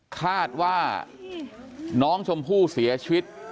คาดว่าน้องชมพู่เสียชีวิต